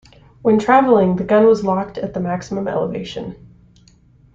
When traveling, the gun was locked at the maximum elevation.